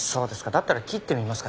だったら切ってみますか？